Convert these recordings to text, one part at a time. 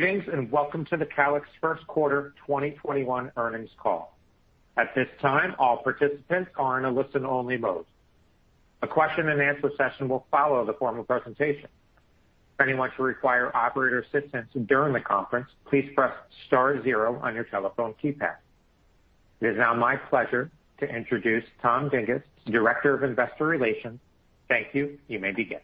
Greetings, and welcome to the Calix first quarter 2021 earnings call. At this time, all participants are in a listen-only mode. A question-and-answer session will follow the formal presentation. If anyone should require operator assistance during the conference, please press star zero on your telephone keypad. It is now my pleasure to introduce Tom Dinges, Director of Investor Relations. Thank you. You may begin.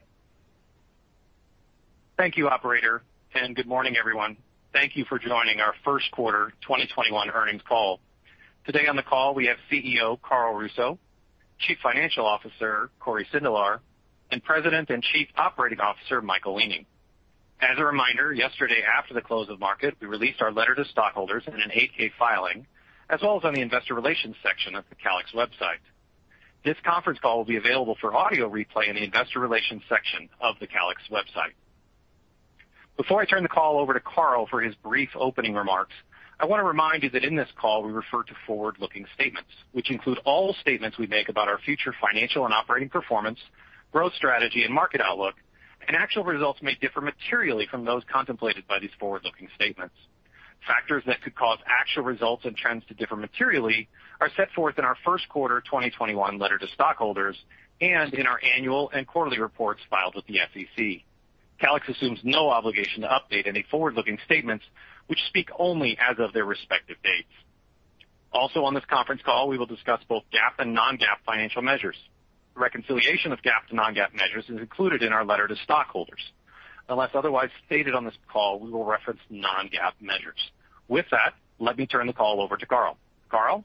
Thank you, operator, and good morning everyone? Thank you for joining our first quarter 2021 earnings call. Today on the call, we have Chief Executive Officer Carl Russo, Chief Financial Officer Cory Sindelar, and President and Chief Operating Officer Michael Weening. As a reminder, yesterday after the close of market, we released our letter to stockholders in an 8-K filing, as well as on the investor relations section of the Calix website. This conference call will be available for audio replay in the Investor Relations section of the Calix website. Before I turn the call over to Carl for his brief opening remarks, I want to remind you that in this call, we refer to forward-looking statements, which include all statements we make about our future financial and operating performance, growth strategy and market outlook, and actual results may differ materially from those contemplated by these forward-looking statements. Factors that could cause actual results and trends to differ materially are set forth in our first quarter 2021 letter to stockholders and in our annual and quarterly reports filed with the SEC. Calix assumes no obligation to update any forward-looking statements, which speak only as of their respective dates. Also on this conference call, we will discuss both GAAP and non-GAAP financial measures. Reconciliation of GAAP to non-GAAP measures is included in our letter to stockholders. Unless otherwise stated on this call, we will reference non-GAAP measures. With that, let me turn the call over to Carl. Carl?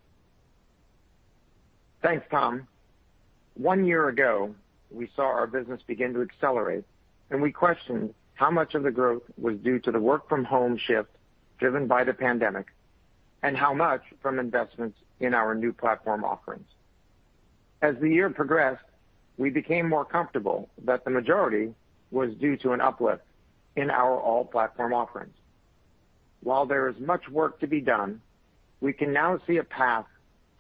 Thanks, Tom. One year ago, we saw our business begin to accelerate, and we questioned how much of the growth was due to the work from home shift driven by the pandemic, and how much from investments in our new platform offerings. As the year progressed, we became more comfortable that the majority was due to an uplift in our all-platform offerings. While there is much work to be done, we can now see a path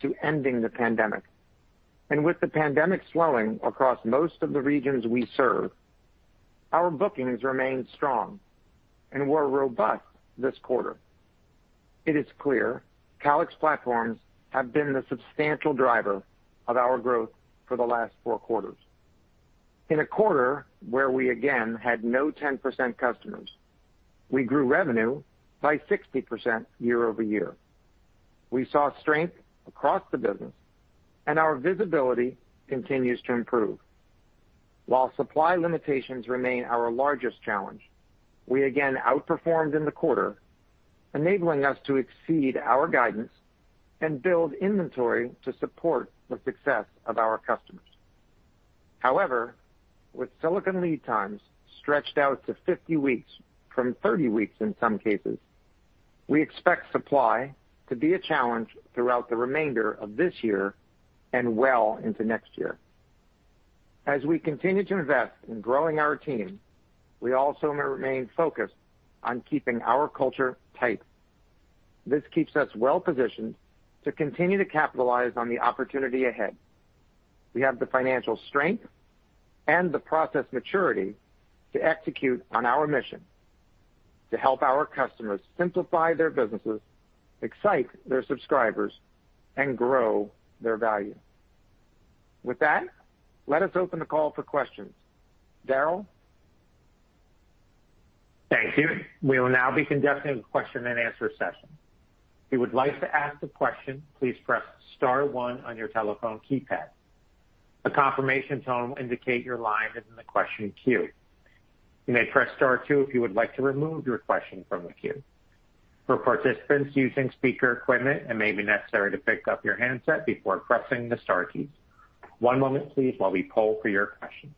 to ending the pandemic. With the pandemic swelling across most of the regions we serve, our bookings remained strong and were robust this quarter. It is clear Calix platforms have been the substantial driver of our growth for the last four quarters. In a quarter where we again had no 10% customers, we grew revenue by 60% year-over-year. We saw strength across the business, and our visibility continues to improve. While supply limitations remain our largest challenge, we again outperformed in the quarter, enabling us to exceed our guidance and build inventory to support the success of our customers. With silicon lead times stretched out to 50 weeks from 30 weeks in some cases, we expect supply to be a challenge throughout the remainder of this year and well into next year. As we continue to invest in growing our team, we also remain focused on keeping our culture tight. This keeps us well-positioned to continue to capitalize on the opportunity ahead. We have the financial strength and the process maturity to execute on our mission to help our customers simplify their businesses, excite their subscribers, and grow their value. With that, let us open the call for questions. Daryl? Thank you. We will now be conducting a question-and-answer session. If you would like to ask a question, please press star one on your telephone keypad. A confirmation tone will indicate your line is in the question queue. You may press star two if you would like to remove your question from the queue. For participants using speaker equipment, it may be necessary to pick up your handset before pressing the star keys. One moment, please, while we poll for your questions.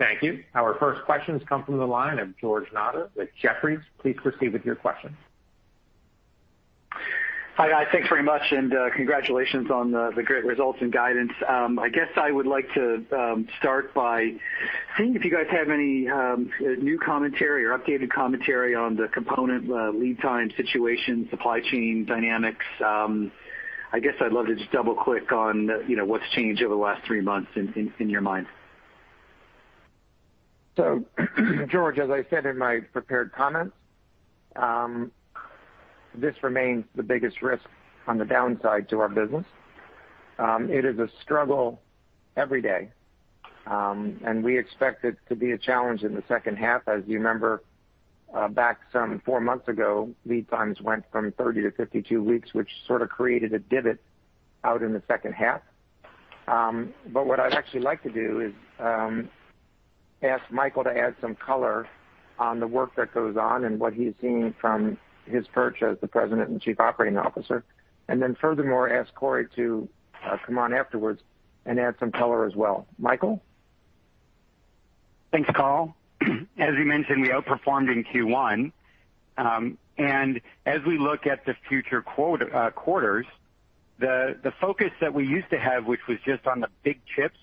Thank you. Our first question comes from the line of George Notter with Jefferies, please proceed with your question. Hi, guys. Thanks very much, and congratulations on the great results and guidance. I guess I would like to start by seeing if you guys have any new commentary or updated commentary on the component lead time situation, supply chain dynamics. I guess I'd love to just double-click on what's changed over the last three months in your mind. George, as I said in my prepared comments, this remains the biggest risk on the downside to our business. It is a struggle every day, and we expect it to be a challenge in the second half. As you remember, back some four months ago, lead times went from 30 weeks to 52 weeks, which sort of created a divot out in the second half. What I'd actually like to do is ask Michael to add some color on the work that goes on and what he's seeing from his perch as the President and Chief Operating Officer, and then furthermore, ask Cory to come on afterwards and add some color as well. Michael? Thanks, Carl. As we mentioned, we outperformed in Q1. As we look at the future quarters, the focus that we used to have, which was just on the big chips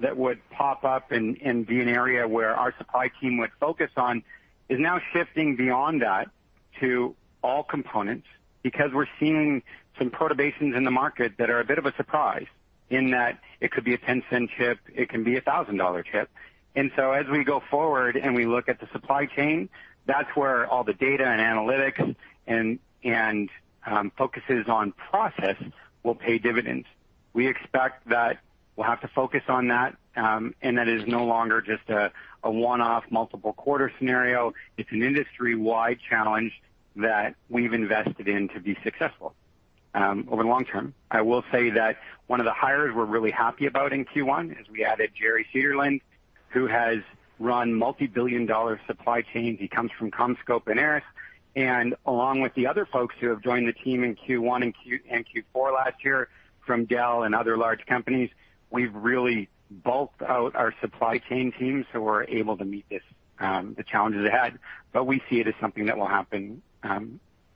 that would pop up and be an area where our supply team would focus on, is now shifting beyond that to all components, because we're seeing some perturbations in the market that are a bit of a surprise in that it could be a $0.10 chip, it can be a $1,000 chip. As we go forward and we look at the supply chain, that's where all the data and analytics and focuses on process will pay dividends. We expect that we'll have to focus on that, and that is no longer just a one-off multiple quarter scenario. It's an industry-wide challenge that we've invested in to be successful over the long term. I will say that one of the hires we're really happy about in Q1 is we added Jerry Cederlund, who has run multi-billion dollar supply chains. Along with the other folks who have joined the team in Q1 and Q4 last year from Dell and other large companies, we've really bulked out our supply chain team, so we're able to meet the challenges ahead. We see it as something that will happen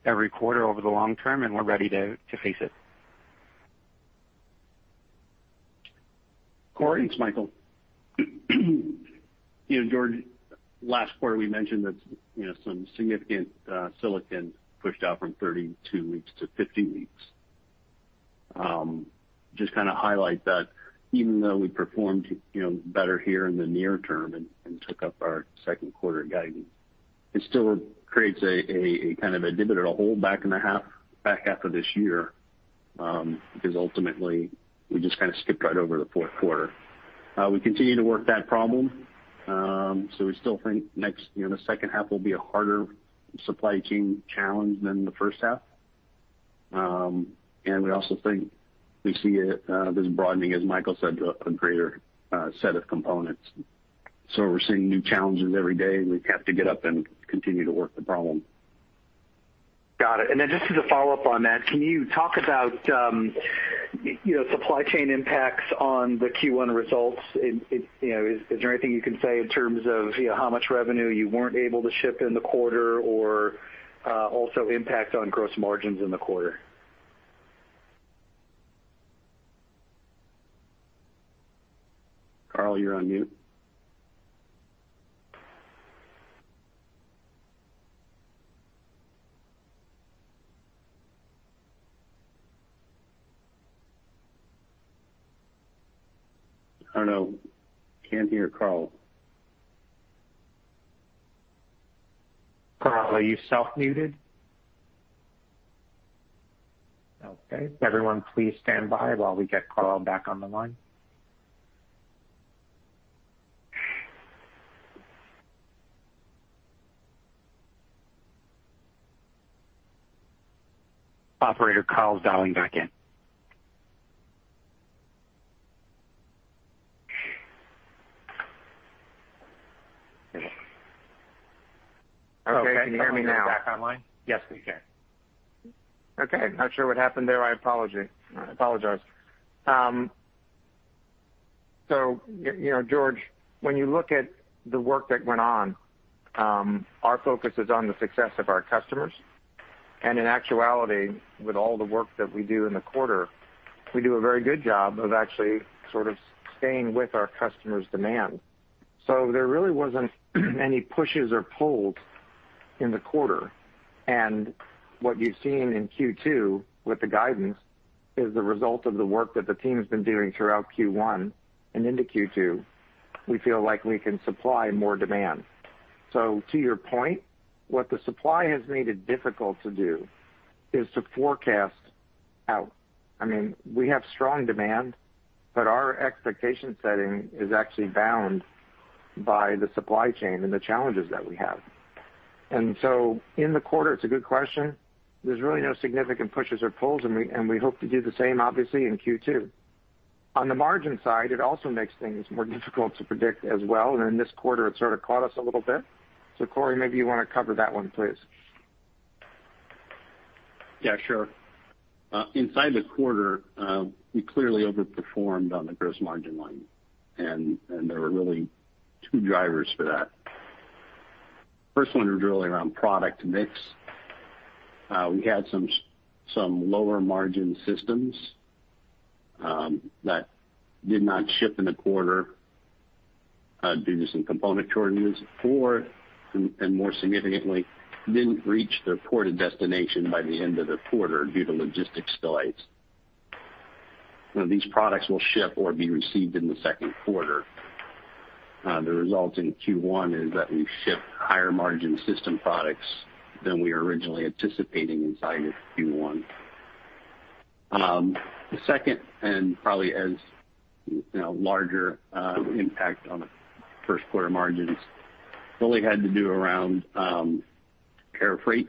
every quarter over the long term, and we're ready to face it. Cory? Thanks, Michael. George, last quarter, we mentioned that some significant silicon pushed out from 32 weeks to 50 weeks. Just kind of highlight that even though we performed better here in the near term and took up our second quarter guidance, it still creates a kind of a divot or a hole back in the back half of this year, because ultimately, we just kind of skipped right over the fourth quarter. We continue to work that problem. We still think the second half will be a harder supply chain challenge than the first half. We also think we see this broadening, as Michael said, a greater set of components. We're seeing new challenges every day, and we have to get up and continue to work the problem. Got it. Just as a follow-up on that, can you talk about supply chain impacts on the Q1 results? Is there anything you can say in terms of how much revenue you weren't able to ship in the quarter or also impact on gross margins in the quarter? Carl, you're on mute. I don't know. Can't hear Carl. Carl, are you self muted? Okay. Everyone, please stand by while we get Carl back on the line. Operator, Carl's dialing back in. Okay. Can you hear me now? Am I back online? Yes, we can. Okay. Not sure what happened there. I apologize. George, when you look at the work that went on, our focus is on the success of our customers. In actuality, with all the work that we do in the quarter, we do a very good job of actually sort of staying with our customers' demand. There really wasn't any pushes or pulls in the quarter. What you've seen in Q2 with the guidance is the result of the work that the team's been doing throughout Q1 and into Q2. We feel like we can supply more demand. To your point, what the supply has made it difficult to do is to forecast out. I mean, we have strong demand, but our expectation setting is actually bound by the supply chain and the challenges that we have. In the quarter, it's a good question. There's really no significant pushes or pulls, and we hope to do the same, obviously, in Q2. On the margin side, it also makes things more difficult to predict as well, and in this quarter, it sort of caught us a little bit. Cory, maybe you want to cover that one, please. Yeah, sure. Inside the quarter, we clearly overperformed on the gross margin line, and there were really two drivers for that. First one was really around product mix. We had some lower-margin systems that did not ship in the quarter due to some component shortages, or, and more significantly, didn't reach their port of destination by the end of the quarter due to logistics delays. These products will ship or be received in the second quarter. The result in Q1 is that we ship higher margin system products than we were originally anticipating inside of Q1. The second, and probably a larger impact on the first quarter margins, really had to do around air freight.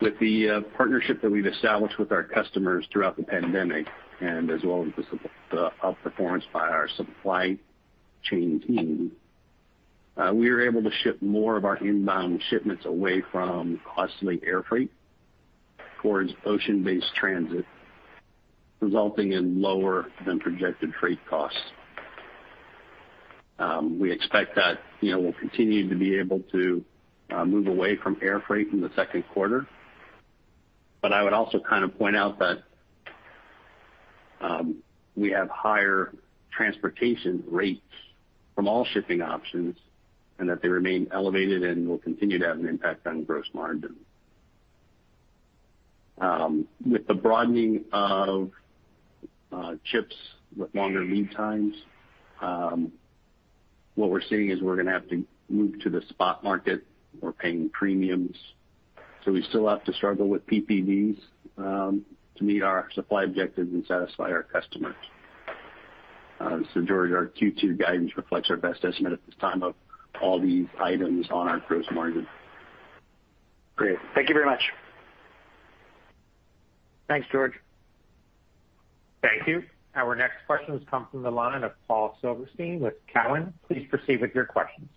With the partnership that we've established with our customers throughout the pandemic, and as well as the outperformance by our supply chain team, we were able to ship more of our inbound shipments away from costly air freight towards ocean-based transit, resulting in lower than projected freight costs. We expect that we'll continue to be able to move away from air freight in the second quarter. I would also kind of point out that we have higher transportation rates from all shipping options, and that they remain elevated and will continue to have an impact on gross margin. With the broadening of chips with longer lead times, what we're seeing is we're going to have to move to the spot market. We're paying premiums. We still have to struggle with PPVs to meet our supply objectives and satisfy our customers. George, our Q2 guidance reflects our best estimate at this time of all these items on our gross margin. Great. Thank you very much. Thanks, George. Thank you. Our next question comes from the line of Paul Silverstein with Cowen, please proceed with your questions.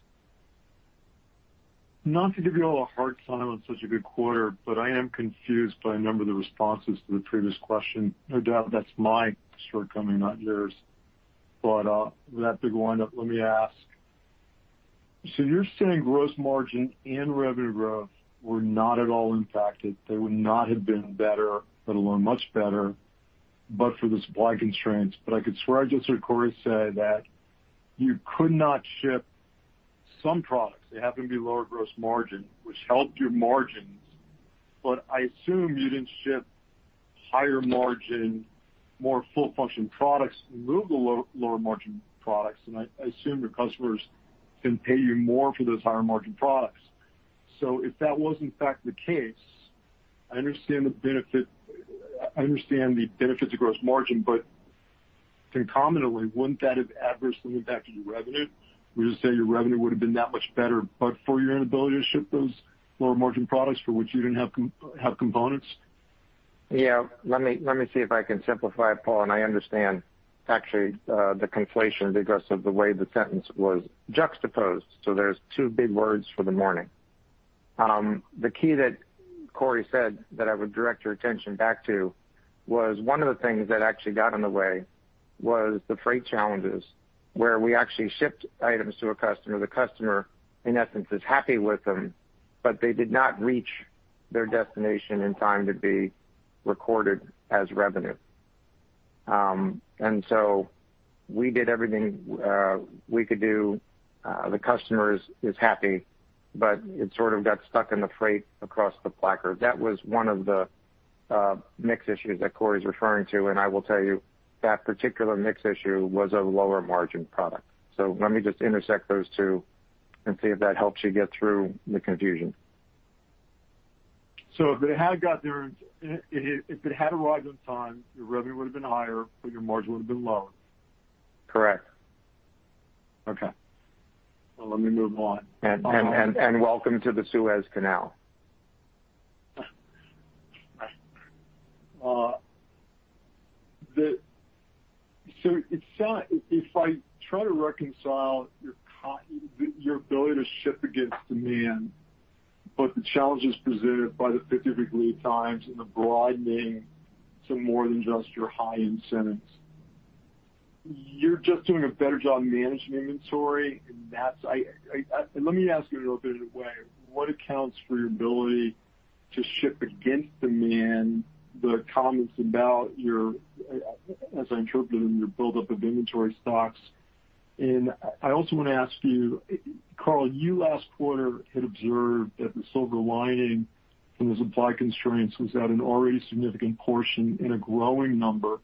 Not to give you all a hard time on such a good quarter, I am confused by a number of the responses to the previous question. No doubt that's my shortcoming, not yours. With that big windup, let me ask. You're saying gross margin and revenue growth were not at all impacted. They would not have been better, let alone much better, for the supply constraints. I could swear I just heard Cory say that you could not ship some products. They happen to be lower gross margin, which helped your margins. I assume you didn't ship higher margin, more full function products and move the lower margin products. I assume your customers can pay you more for those higher margin products. If that was in fact the case, I understand the benefits of gross margin, but concomitantly, wouldn't that have adversely impacted your revenue? Would it say your revenue would have been that much better but for your inability to ship those lower margin products for which you didn't have components? Let me see if I can simplify it, Paul, and I understand, actually, the conflation because of the way the sentence was juxtaposed. There's two big words for the morning. The key that Cory said that I would direct your attention back to was one of the things that actually got in the way was the freight challenges, where we actually shipped items to a customer. The customer, in essence, is happy with them, but they did not reach their destination in time to be recorded as revenue. We did everything we could do. The customer is happy, but it sort of got stuck in the freight across the [placard]. That was one of the mix issues that Cory's referring to, and I will tell you that particular mix issue was a lower margin product. Let me just intersect those two and see if that helps you get through the confusion. If it had arrived on time, your revenue would have been higher, but your margin would have been lower. Correct. Okay. Let me move on. Welcome to the Suez Canal. If I try to reconcile your ability to ship against demand, but the challenges presented by the 50-week lead times and the broadening to more than just your high incentives. You're just doing a better job managing inventory, and let me ask it a little bit of a way. What accounts for your ability to ship against demand, the comments about your, as I interpret them, your buildup of inventory stocks. I also want to ask you, Carl, you last quarter had observed that the silver lining from the supply constraints was that an already significant portion and a growing number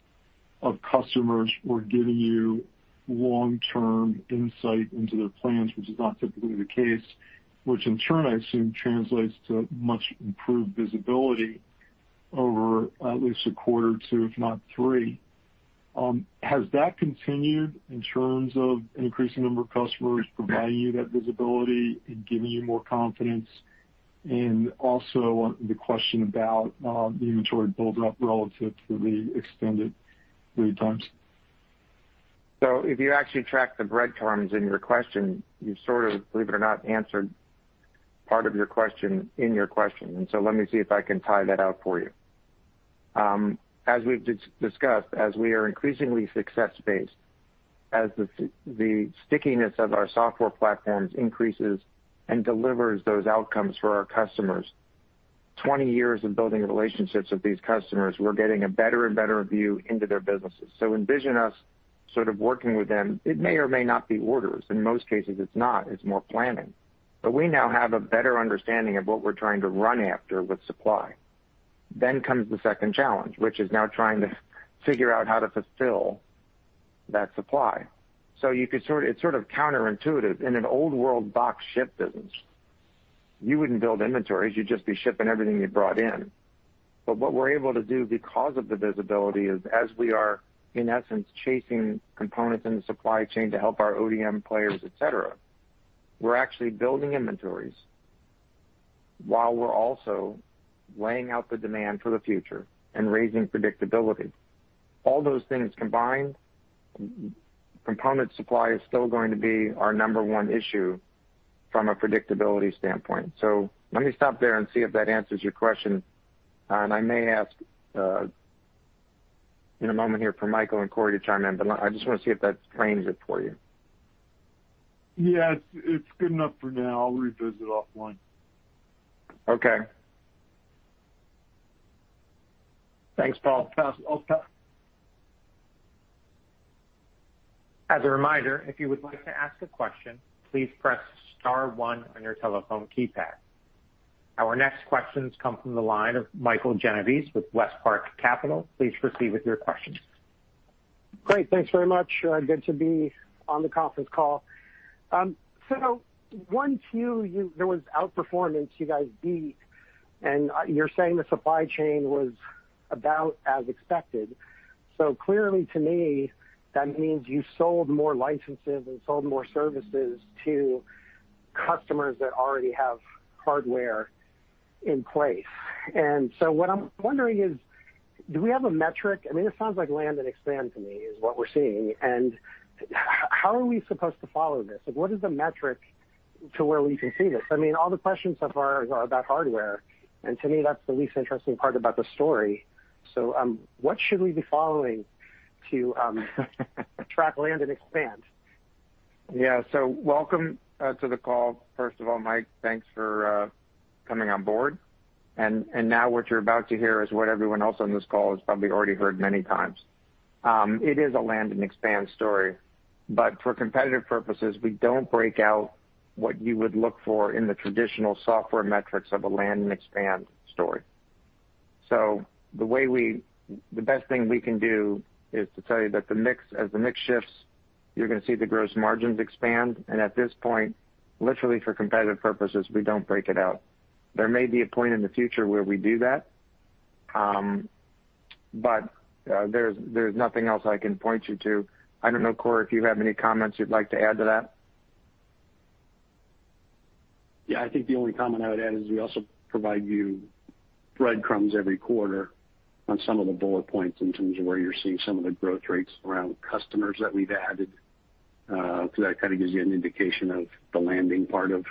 of customers were giving you long-term insight into their plans, which is not typically the case, which in turn, I assume, translates to much improved visibility over at least a quarter or two, if not three. Has that continued in terms of an increasing number of customers providing you that visibility and giving you more confidence? Also the question about the inventory buildup relative to the extended lead times. If you actually track the breadcrumbs in your question, you sort of, believe it or not, answered part of your question in your question. Let me see if I can tie that out for you. As we've discussed, as we are increasingly success-based, as the stickiness of our software platforms increases and delivers those outcomes for our customers, 20 years of building relationships with these customers, we're getting a better and better view into their businesses. Envision us sort of working with them. It may or may not be orders. In most cases, it's not. It's more planning. We now have a better understanding of what we're trying to run after with supply. Comes the second challenge, which is now trying to figure out how to fulfill that supply. It's sort of counterintuitive. In an old world box ship business, you wouldn't build inventories. You'd just be shipping everything you brought in. What we're able to do because of the visibility is as we are, in essence, chasing components in the supply chain to help our ODM players, et cetera, we're actually building inventories while we're also laying out the demand for the future and raising predictability. All those things combined, component supply is still going to be our number one issue from a predictability standpoint. Let me stop there and see if that answers your question. I may ask in a moment here for Michael and Cory to chime in, but I just want to see if that frames it for you. Yes, it's good enough for now. I'll revisit offline. Okay. Thanks, Paul. As a reminder, if you would like to ask a question, please press star one on your telephone keypad. Our next questions come from the line of Michael Genovese with WestPark Capital, please proceed with your questions. Great. Thanks very much. Good to be on the conference call. Once there was outperformance, you guys beat, and you're saying the supply chain was about as expected. Clearly to me, that means you sold more licenses and sold more services to customers that already have hardware in place. What I'm wondering is, do we have a metric? It sounds like land and expand to me is what we're seeing. How are we supposed to follow this? What is the metric to where we can see this? All the questions so far are about hardware, and to me, that's the least interesting part about the story. What should we be following to track land and expand? Yeah. Welcome to the call, first of all, Michael. Thanks for coming on board. Now what you're about to hear is what everyone else on this call has probably already heard many times. It is a land and expand story, for competitive purposes, we don't break out what you would look for in the traditional software metrics of a land and expand story. The best thing we can do is to tell you that as the mix shifts, you're going to see the gross margins expand, and at this point, literally for competitive purposes, we don't break it out. There may be a point in the future where we do that. There's nothing else I can point you to. I don't know, Cory, if you have any comments you'd like to add to that. Yeah, I think the only comment I would add is we also provide you breadcrumbs every quarter on some of the bullet points in terms of where you're seeing some of the growth rates around customers that we've added. That kind of gives you an indication of the landing part of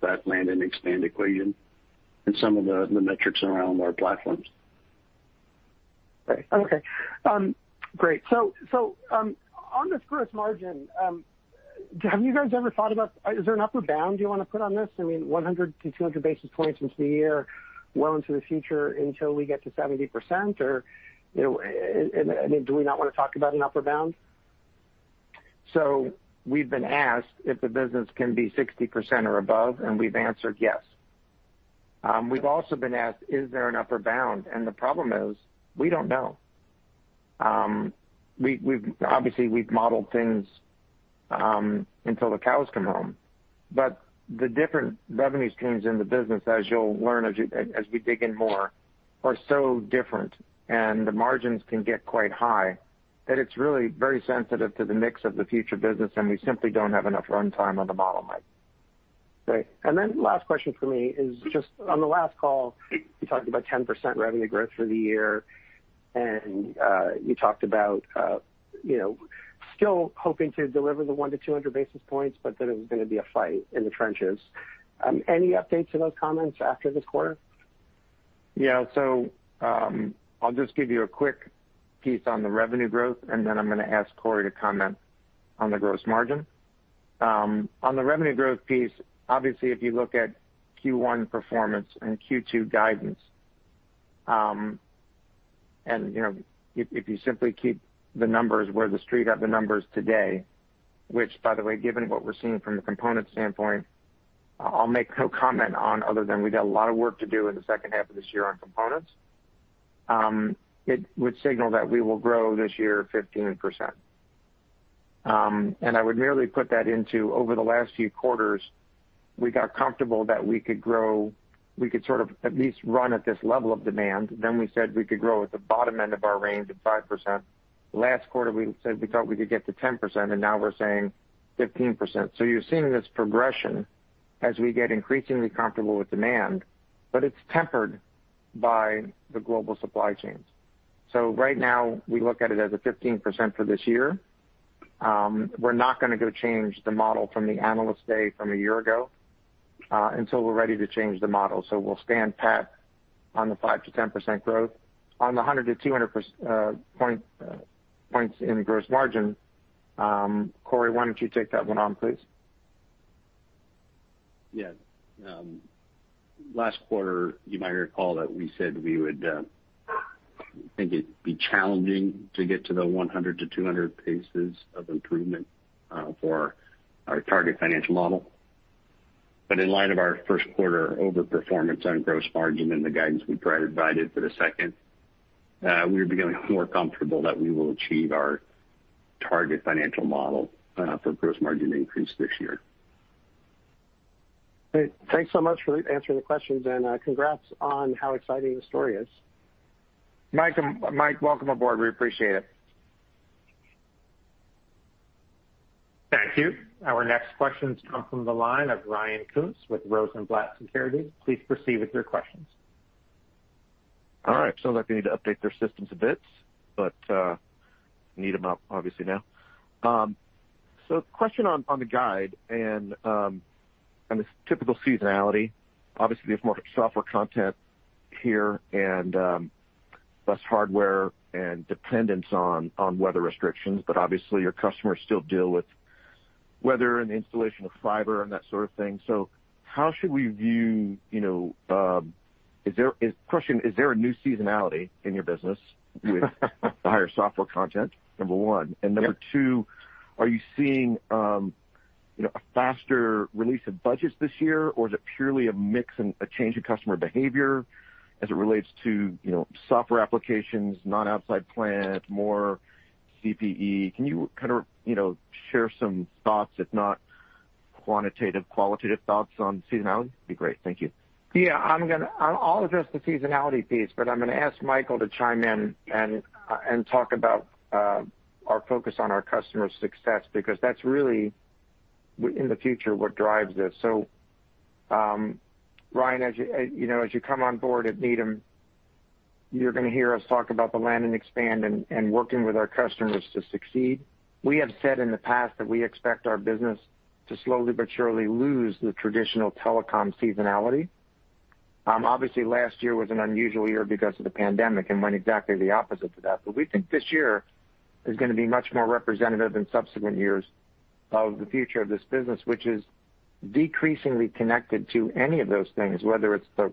that land and expand equation and some of the metrics around our platforms. Great. Okay. Great. On this gross margin, have you guys ever thought about, is there an upper bound you want to put on this? 100 basis points-200 basis points into the year, well into the future until we get to 70% or do we not want to talk about an upper bound? We've been asked if the business can be 60% or above, and we've answered yes. We've also been asked, is there an upper bound? The problem is, we don't know. Obviously, we've modeled things until the cows come home. The different revenue streams in the business, as you'll learn as we dig in more, are so different, and the margins can get quite high, that it's really very sensitive to the mix of the future business, and we simply don't have enough runtime on the model, Mike. Great. Last question from me is just on the last call, you talked about 10% revenue growth for the year, and you talked about still hoping to deliver the one to 200 basis points, but that it was going to be a fight in the trenches. Any updates to those comments after this quarter? Yeah. I'll just give you a quick piece on the revenue growth, and then I'm going to ask Cory to comment on the gross margin. On the revenue growth piece, obviously, if you look at Q1 performance and Q2 guidance, and if you simply keep the numbers where the Street got the numbers today, which by the way, given what we're seeing from a component standpoint, I'll make no comment on other than we've got a lot of work to do in the second half of this year on components. It would signal that we will grow this year 15%. I would merely put that into over the last few quarters, we got comfortable that we could sort of at least run at this level of demand. Then we said we could grow at the bottom end of our range at 5%. Last quarter, we said we thought we could get to 10%. Now we're saying 15%. You're seeing this progression as we get increasingly comfortable with demand, but it's tempered by the global supply chains. Right now, we look at it as a 15% for this year. We're not going to go change the model from the Analyst Day from a year ago, until we're ready to change the model. We'll stand pat on the 5%-10% growth. On the 100 basis points-200 points in gross margin, Cory, why don't you take that one on, please? Last quarter, you might recall that we said we would think it'd be challenging to get to the 100 basis points-200 basis of improvement for our target financial model. In light of our first quarter over-performance on gross margin and the guidance we provided for the second, we are becoming more comfortable that we will achieve our target financial model for gross margin increase this year. Great. Thanks so much for answering the questions. Congrats on how exciting the story is. Mike, welcome aboard. We appreciate it. Thank you. Our next questions come from the line of Ryan Koontz with Rosenblatt Securities, please proceed with your questions. All right, sounds like they need to update their systems a bit, but need them up obviously now. Question on the guide and on this typical seasonality. Obviously, there's more software content here and less hardware and dependence on weather restrictions, but obviously your customers still deal with weather and installation of fiber and that sort of thing. How should we view, question, is there a new seasonality in your business with the higher software content, number one. Number two, are you seeing a faster release of budgets this year, or is it purely a mix and a change in customer behavior as it relates to software applications, non-outside plant, more CPE? Can you kind of share some thoughts, if not quantitative, qualitative thoughts on seasonality? It would be great. Thank you. Yeah. I'll address the seasonality piece, but I'm going to ask Michael to chime in and talk about our focus on our customer success, because that's really, in the future, what drives this. Ryan, as you come on board at Needham, you're going to hear us talk about the land and expand and working with our customers to succeed. We have said in the past that we expect our business to slowly but surely lose the traditional telecom seasonality. Obviously, last year was an unusual year because of the pandemic and went exactly the opposite to that. We think this year is going to be much more representative in subsequent years of the future of this business, which is decreasingly connected to any of those things, whether it's the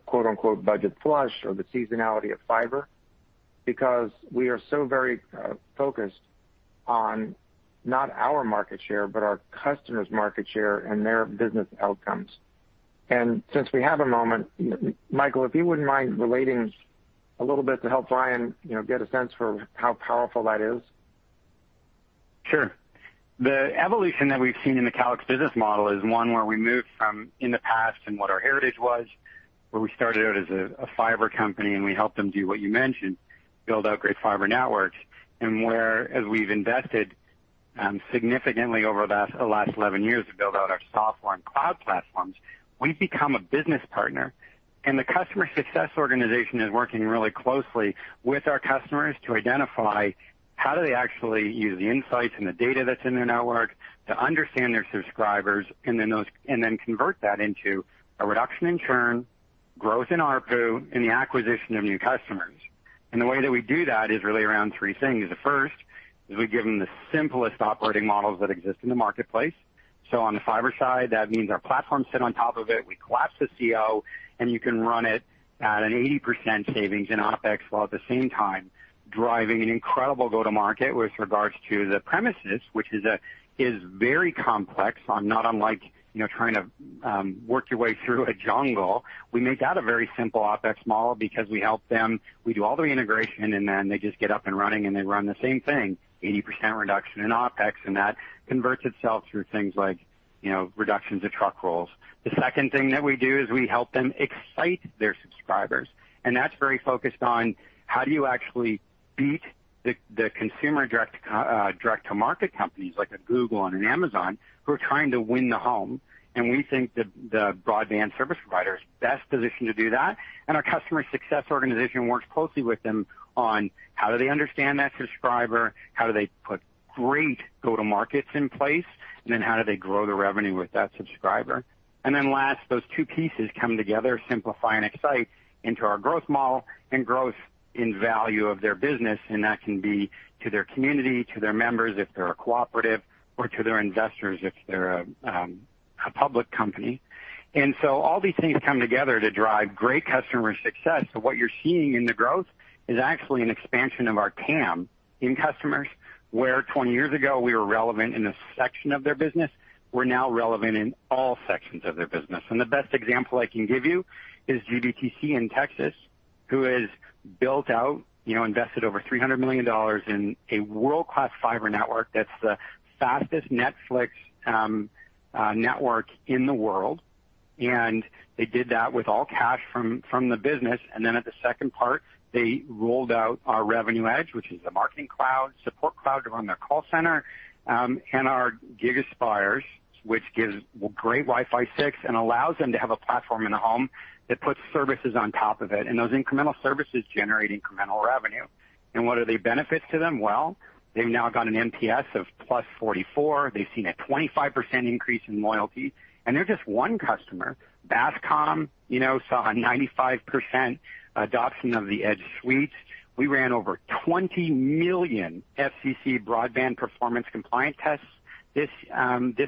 "budget flush" or the seasonality of fiber, because we are so very focused on not our market share, but our customers' market share and their business outcomes. Since we have a moment, Michael, if you wouldn't mind relating a little bit to help Ryan get a sense for how powerful that is. Sure. The evolution that we've seen in the Calix business model is one where we moved from in the past and what our heritage was, where we started out as a fiber company, and we helped them do what you mentioned, build out great fiber networks. Where as we've invested significantly over the last 11 years to build out our software and cloud platforms, we've become a business partner. The customer success organization is working really closely with our customers to identify how do they actually use the insights and the data that's in their network to understand their subscribers, and then convert that into a reduction in churn, growth in ARPU, and the acquisition of new customers. The way that we do that is really around three things. The first is we give them the simplest operating models that exist in the marketplace. On the fiber side, that means our platforms sit on top of it. We collapse the CO, and you can run it at an 80% savings in OpEx, while at the same time, driving an incredible go to market with regards to the premises, which is very complex, not unlike trying to work your way through a jungle. We make that a very simple OpEx model because we help them. We do all the integration, and then they just get up and running, and they run the same thing, 80% reduction in OpEx, and that converts itself through things like reductions of truck rolls. The second thing that we do is we help them excite their subscribers. That's very focused on how do you actually beat the consumer direct-to-market companies like a Google and an Amazon who are trying to win the home. We think that the broadband service provider is best positioned to do that. Our customer success organization works closely with them on how do they understand that subscriber, how do they put great go-to-markets in place, how do they grow the revenue with that subscriber. Last, those two pieces come together, simplify and excite, into our growth model and growth in value of their business, that can be to their community, to their members, if they're a cooperative, or to their investors, if they're a public company. All these things come together to drive great customer success. What you're seeing in the growth is actually an expansion of our TAM in customers, where 20 years ago, we were relevant in a section of their business. We're now relevant in all sections of their business. The best example I can give you is GVTC in Texas, who has built out, invested over $300 million in a world-class fiber network that's the fastest Netflix network in the world. They did that with all cash from the business. Then at the second part, they rolled out our Revenue EDGE, which is a marketing cloud, support cloud to run their call center, and our GigaSpire, which gives great Wi-Fi 6 and allows them to have a platform in the home that puts services on top of it. Those incremental services generate incremental revenue. What are the benefits to them? Well, they've now got an NPS of +44. They've seen a 25% increase in loyalty. They're just one customer. Bascom saw a 95% adoption of the EDGE Suites. We ran over 20 million FCC broadband performance compliance tests this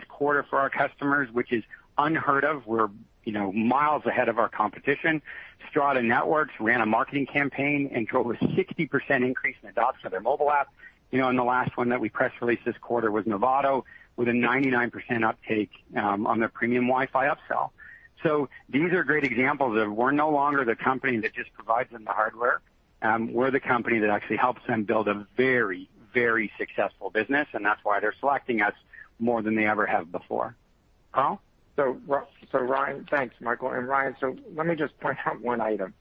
quarter for our customers, which is unheard of. We're miles ahead of our competition. Strata Networks ran a marketing campaign and drove a 60% increase in adoption of their mobile app. The last one that we press released this quarter was Norvado with a 99% uptake on their premium Wi-Fi upsell. These are great examples of we're no longer the company that just provides them the hardware. We're the company that actually helps them build a very successful business, and that's why they're selecting us more than they ever have before. Ryan, thanks, Michael. Ryan, let me just point out one item.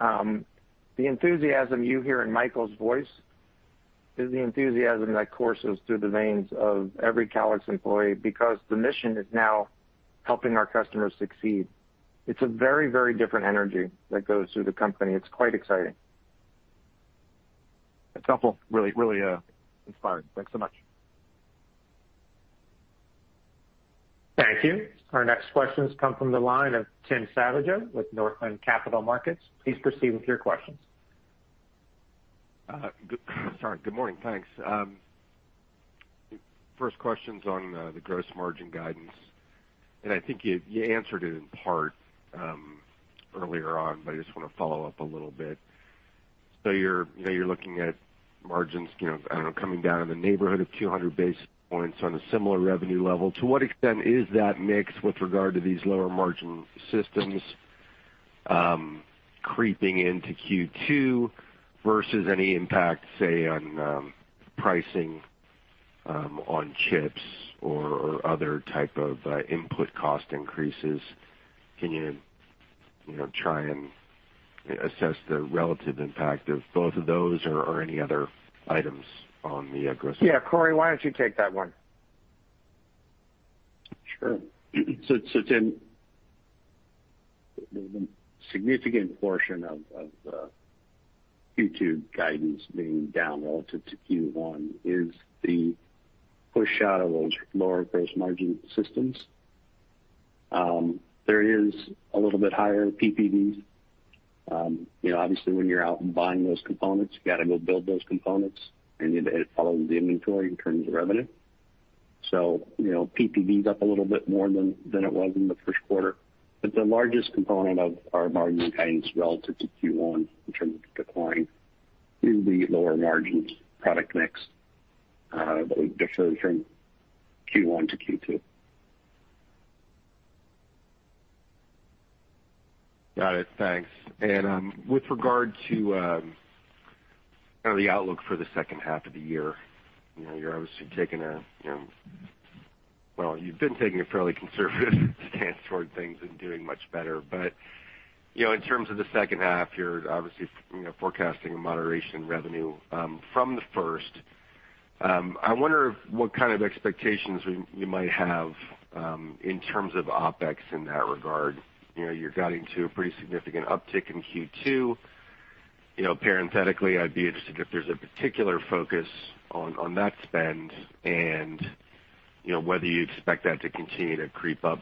The enthusiasm you hear in Michael's voice is the enthusiasm that courses through the veins of every Calix employee because the mission is now helping our customers succeed. It's a very different energy that goes through the company. It's quite exciting. That's helpful. Really inspiring. Thanks so much. Thank you. Our next questions come from the line of Tim Savageaux with Northland Capital Markets, please proceed with your questions. Sorry. Good morning? Thanks. First question's on the gross margin guidance. I think you answered it in part earlier on. I just want to follow up a little bit. You're looking at margins, I don't know, coming down in the neighborhood of 200 basis points on a similar revenue level. To what extent is that mix with regard to these lower margin systems creeping into Q2 versus any impact, say, on pricing on chips or other type of input cost increases? Can you try and assess the relative impact of both of those or any other items on the gross? Yeah. Cory, why don't you take that one? Sure. Tim, the significant portion of the Q2 guidance being down relative to Q1 is the push out of those lower gross margin systems. There is a little bit higher PPV. Obviously, when you're out buying those components, you got to go build those components, and it follows the inventory in terms of revenue. PPV is up a little bit more than it was in the first quarter. The largest component of our margin guidance relative to Q1 in terms of decline is the lower margin product mix that we've differentiated Q1 to Q2. Got it. Thanks. With regard to the outlook for the second half of the year, you're obviously taking a well, you've been taking a fairly conservative stance toward things and doing much better. In terms of the second half, you're obviously forecasting a moderation revenue from the first. I wonder what kind of expectations you might have in terms of OpEx in that regard. You're guiding to a pretty significant uptick in Q2. Parenthetically, I'd be interested if there's a particular focus on that spend and whether you expect that to continue to creep up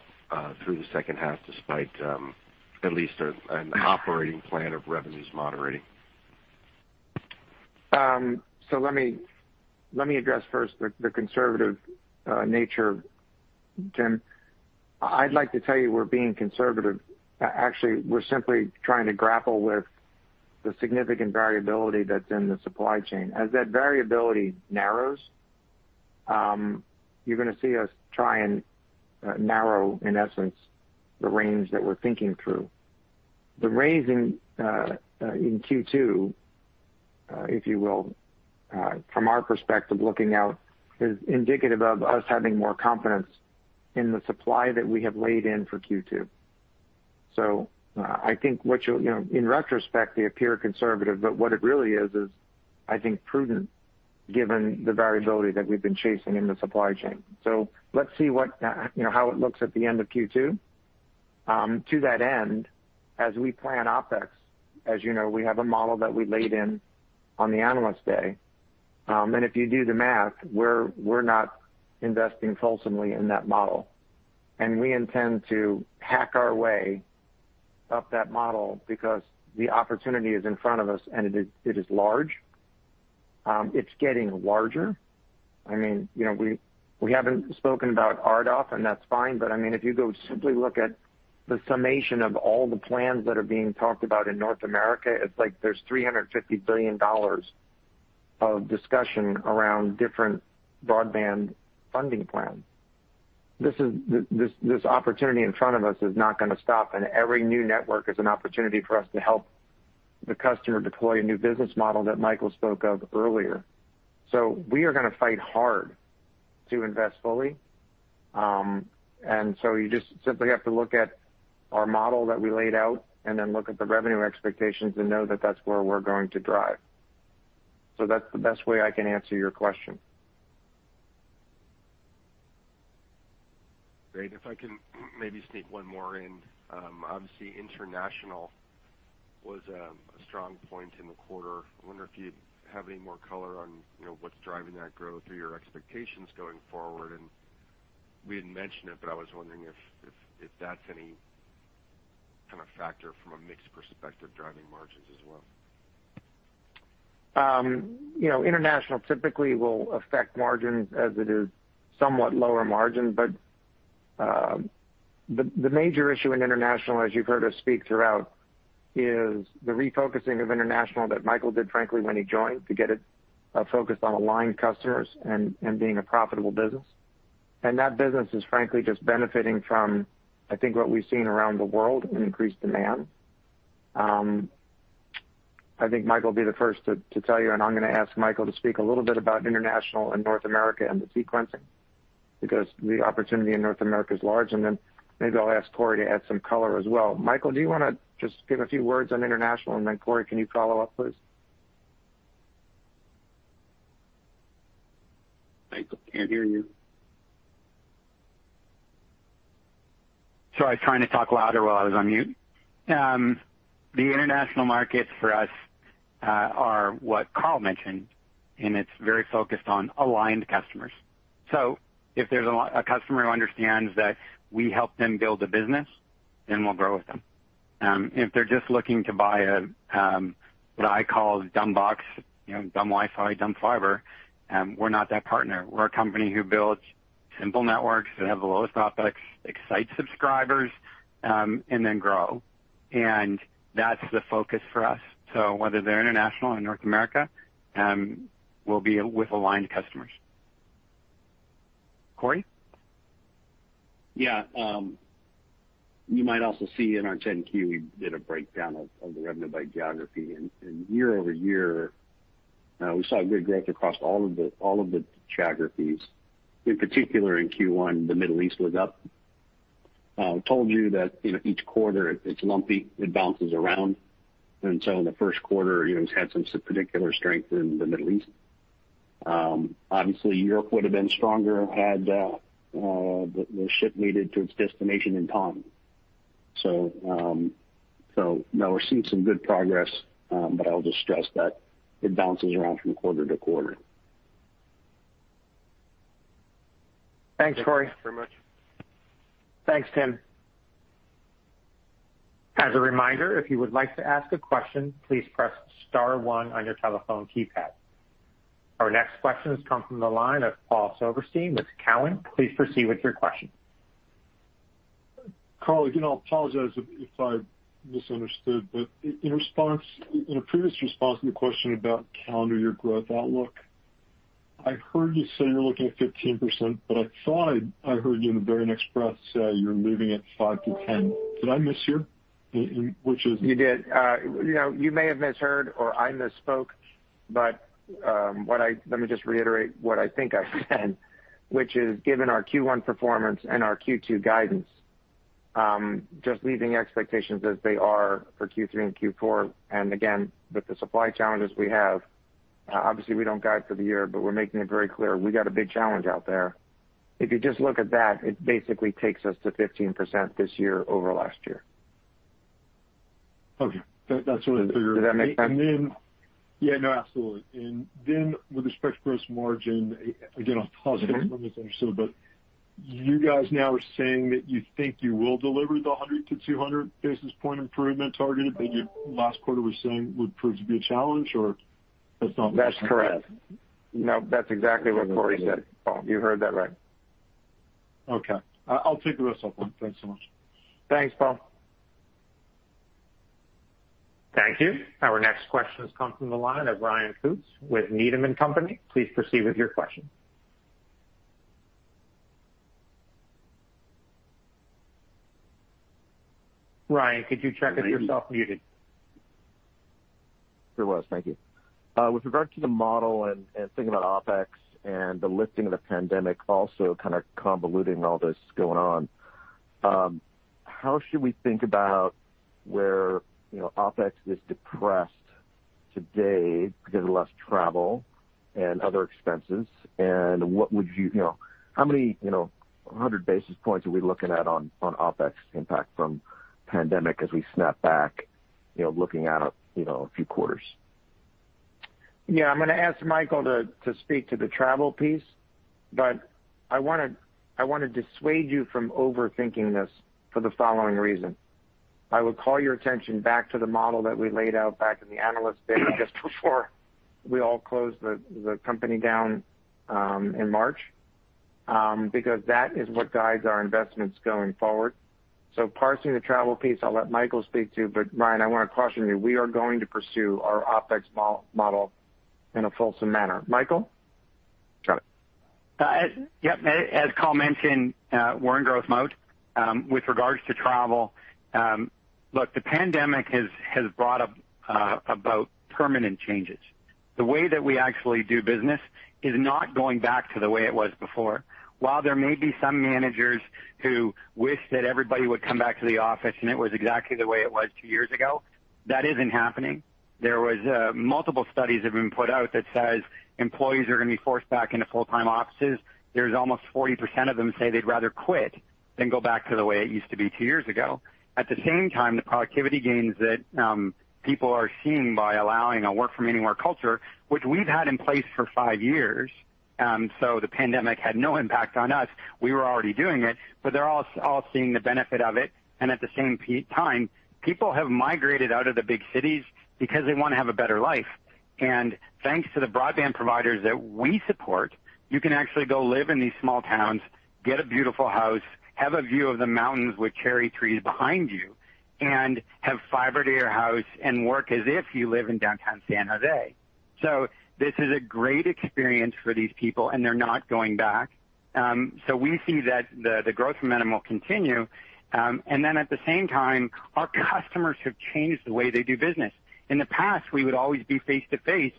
through the second half despite at least an operating plan of revenues moderating. Let me address first the conservative nature, Tim. I'd like to tell you we're being conservative. Actually, we're simply trying to grapple with the significant variability that's in the supply chain. As that variability narrows, you're going to see us try and narrow, in essence, the range that we're thinking through. The range in Q2, if you will, from our perspective looking out, is indicative of us having more confidence in the supply that we have laid in for Q2. I think in retrospect, they appear conservative, but what it really is, I think, prudent given the variability that we've been chasing in the supply chain. Let's see how it looks at the end of Q2. To that end, as we plan OpEx, as you know, we have a model that we laid in on the Analyst Day. If you do the math, we're not investing fulsomely in that model, and we intend to hack our way up that model because the opportunity is in front of us, and it is large. It's getting larger. We haven't spoken about RDOF, and that's fine, but if you go simply look at the summation of all the plans that are being talked about in North America, it's like there's $350 billion of discussion around different broadband funding plans. This opportunity in front of us is not going to stop, and every new network is an opportunity for us to help the customer deploy a new business model that Michael spoke of earlier. We are going to fight hard to invest fully. You just simply have to look at our model that we laid out and then look at the revenue expectations and know that that's where we're going to drive. That's the best way I can answer your question. Great. If I can maybe sneak one more in. Obviously, international was a strong point in the quarter. I wonder if you have any more color on what's driving that growth or your expectations going forward. We didn't mention it, but I was wondering if that's any kind of factor from a mix perspective driving margins as well. International typically will affect margins as it is somewhat lower margin, but the major issue in international, as you've heard us speak throughout, is the refocusing of international that Michael did, frankly, when he joined to get it focused on aligned customers and being a profitable business. That business is frankly just benefiting from, I think, what we've seen around the world in increased demand. I think Michael will be the first to tell you, and I'm going to ask Michael to speak a little bit about international and North America and the sequencing because the opportunity in North America is large. Then maybe I'll ask Cory to add some color as well. Michael, do you want to just give a few words on international, then Cory, can you follow up, please? Michael, can't hear you. Sorry, I was trying to talk louder while I was on mute. The international markets for us are what Carl mentioned, and it's very focused on aligned customers. If there's a customer who understands that we help them build a business, then we'll grow with them. If they're just looking to buy a, what I call dumb box, dumb Wi-Fi, dumb fiber, we're not that partner. We're a company who builds simple networks that have the lowest OpEx, excites subscribers, and then grow. That's the focus for us. Whether they're international or North America, we'll be with aligned customers. Cory? Yeah. You might also see in our 10-Q, we did a breakdown of the revenue by geography. Year-over-year, we saw good growth across all of the geographies. In particular, in Q1, the Middle East was up. I told you that each quarter, it's lumpy, it bounces around. In the first quarter, it's had some particular strength in the Middle East. Obviously, Europe would have been stronger had the ship made it to its destination in time. No, we're seeing some good progress, but I'll just stress that it bounces around from quarter-to-quarter. Thanks, Cory. Thanks very much. Thanks, Tim. As a reminder, if you would like to ask a question, please press star one on your telephone keypad. Our next question has come from the line of Paul Silverstein with Cowen, please proceed with your question. Carl, I apologize if I misunderstood, but in a previous response to the question about calendar year growth outlook, I heard you say you're looking at 15%, but I thought I heard you in the very next breath say you're leaving it 5%-10%. Did I mishear? You did. You may have misheard or I misspoke, but let me just reiterate what I think I said, which is given our Q1 performance and our Q2 guidance, just leaving expectations as they are for Q3 and Q4. Again, with the supply challenges we have, obviously we don't guide for the year, but we're making it very clear we got a big challenge out there. If you just look at that, it basically takes us to 15% this year over last year. Okay. That's what I figured. Does that make sense? Yeah, no, absolutely. With respect to gross margin, again, I'll pause if I misunderstood, but you guys now are saying that you think you will deliver the 100 basis points-200 basis point improvement targeted that you last quarter were saying would prove to be a challenge, or that's not? That's correct. No, that's exactly what Cory said, Paul. You heard that right. Okay. I'll take the rest offline. Thanks so much. Thanks, Paul. Thank you. Our next question has come from the line of Ryan Koontz with Needham & Company, please proceed with your question. Ryan, could you check if you're self-muted? Sure was. Thank you. With regard to the model and thinking about OpEx and the lifting of the pandemic also kind of convoluting all this going on, how should we think about where OpEx is depressed today because of less travel and other expenses? How many 100 basis points are we looking at on OpEx impact from pandemic as we snap back, looking out a few quarters? Yeah, I'm going to ask Michael to speak to the travel piece. I want to dissuade you from overthinking this for the following reason. I would call your attention back to the model that we laid out back in the Analyst Day just before we all closed the company down in March, because that is what guides our investments going forward. Parsing the travel piece, I'll let Michael speak to, but Ryan, I want to caution you, we are going to pursue our OpEx model in a fulsome manner. Michael? Got it. Yep. As Carl mentioned, we're in growth mode. With regards to travel, look, the pandemic has brought about permanent changes. The way that we actually do business is not going back to the way it was before. While there may be some managers who wish that everybody would come back to the office and it was exactly the way it was two years ago, that isn't happening. There was multiple studies that have been put out that says employees are going to be forced back into full-time offices. There's almost 40% of them say they'd rather quit than go back to the way it used to be two years ago. At the same time, the productivity gains that people are seeing by allowing a work from anywhere culture, which we've had in place for five years, so the pandemic had no impact on us. We were already doing it, but they're all seeing the benefit of it. At the same time, people have migrated out of the big cities because they want to have a better life. Thanks to the broadband providers that we support, you can actually go live in these small towns, get a beautiful house, have a view of the mountains with cherry trees behind you, and have fiber to your house and work as if you live in downtown San Jose. This is a great experience for these people, and they're not going back. We see that the growth momentum will continue. At the same time, our customers have changed the way they do business. In the past, we would always be face-to-face,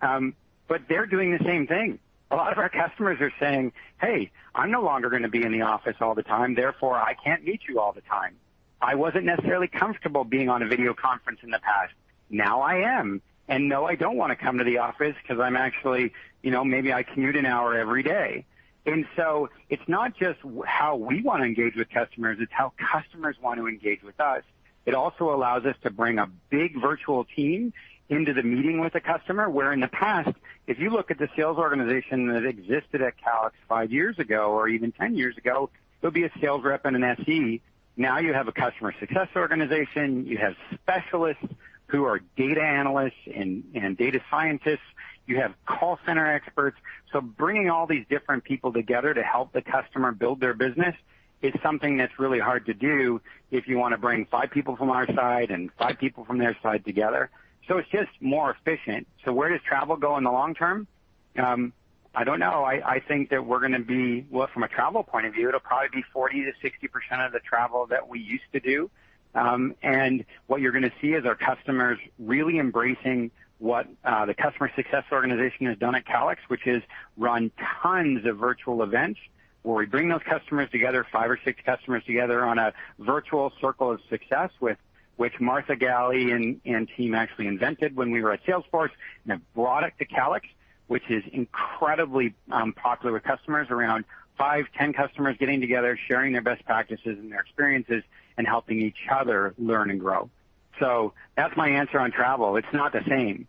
but they're doing the same thing. A lot of our customers are saying, hey, I'm no longer going to be in the office all the time, therefore, I can't meet you all the time. I wasn't necessarily comfortable being on a video conference in the past. Now I am. No, I don't want to come to the office because maybe I commute an hour every day. It's not just how we want to engage with customers, it's how customers want to engage with us. It also allows us to bring a big virtual team into the meeting with a customer, where in the past, if you look at the sales organization that existed at Calix five years ago, or even 10 years ago, there'd be a sales rep and an SE. Now you have a customer success organization, you have specialists who are data analysts and data scientists. You have call center experts. Bringing all these different people together to help the customer build their business is something that's really hard to do if you want to bring five people from our side and five people from their side together. It's just more efficient. Where does travel go in the long term? I don't know. I think that Well, from a travel point of view, it'll probably be 40%-60% of the travel that we used to do. What you're going to see is our customers really embracing what the customer success organization has done at Calix, which is run tons of virtual events where we bring those customers together, five or six customers together on a virtual Circles of Success, which Martha Galley and team actually invented when we were at Salesforce, and have brought it to Calix, which is incredibly popular with customers. Around five, 10 customers getting together, sharing their best practices and their experiences and helping each other learn and grow. That's my answer on travel. It's not the same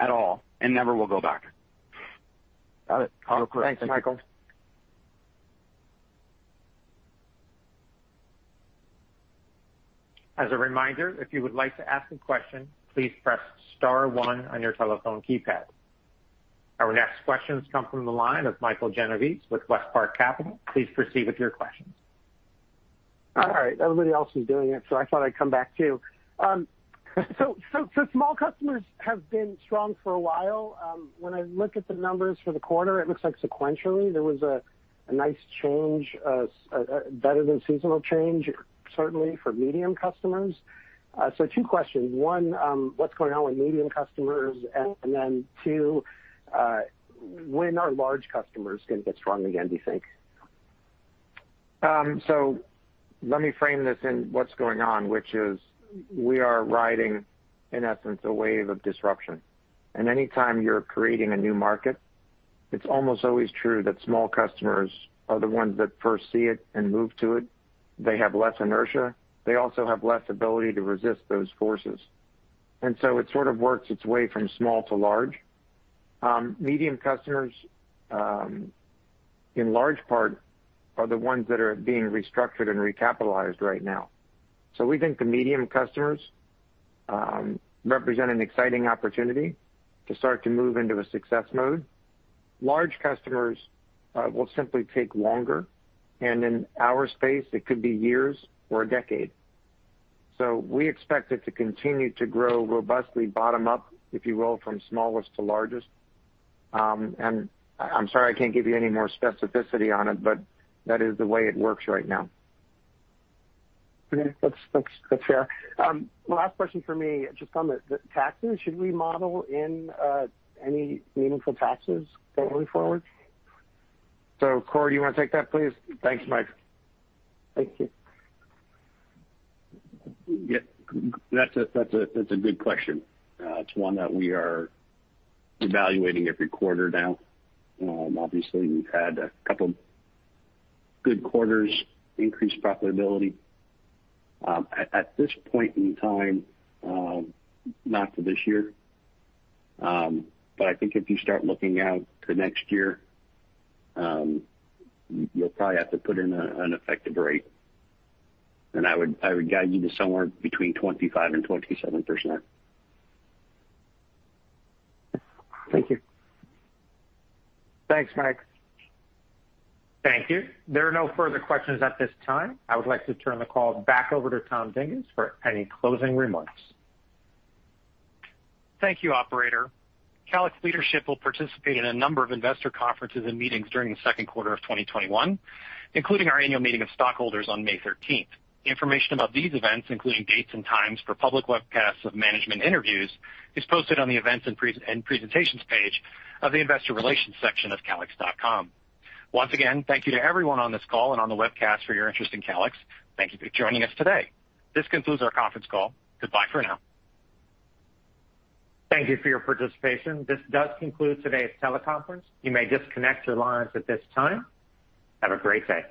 at all and never will go back. Got it. Thanks, Michael. As a reminder, if you would like to ask a question, please press star one on your telephone keypad. Our next questions come from the line of Michael Genovese with WestPark Capital, please proceed with your questions. All right. Everybody else is doing it, I thought I'd come back, too. Small customers have been strong for a while. When I look at the numbers for the quarter, it looks like sequentially, there was a nice change, better than seasonal change, certainly for medium customers. Two questions. One, what's going on with medium customers? Two, when are large customers going to get strong again, do you think? Let me frame this in what's going on, which is we are riding, in essence, a wave of disruption. Anytime you're creating a new market, it's almost always true that small customers are the ones that first see it and move to it. They have less inertia. They also have less ability to resist those forces. It sort of works its way from small to large. Medium customers, in large part, are the ones that are being restructured and recapitalized right now. We think the medium customers represent an exciting opportunity to start to move into a success mode. Large customers will simply take longer, and in our space, it could be years or a decade. We expect it to continue to grow robustly bottom-up, if you will, from smallest to largest. I'm sorry I can't give you any more specificity on it, but that is the way it works right now. Okay. That's fair. Last question for me, just on the taxes. Should we model in any meaningful taxes going forward? Cory, you want to take that, please? Thanks, Michael. Thank you. Yeah. That's a good question. It's one that we are evaluating every quarter now. Obviously, we've had a couple good quarters, increased profitability. At this point in time, not for this year. I think if you start looking out to next year, you'll probably have to put in an effective rate. I would guide you to somewhere between 25% and 27%. Thank you. Thanks, Mike. Thank you. There are no further questions at this time. I would like to turn the call back over to Tom Dinges for any closing remarks. Thank you, Operator. Calix leadership will participate in a number of investor conferences and meetings during the second quarter of 2021, including our annual meeting of stockholders on May 13. Information about these events, including dates and times for public webcasts of management interviews, is posted on the Events and Presentations page of the Investor Relations section of calix.com. Once again, thank you to everyone on this call and on the webcast for your interest in Calix. Thank you for joining us today. This concludes our conference call. Goodbye for now. Thank you for your participation. This does conclude today's teleconference, you may disconnect your lines at this time. Have a great day.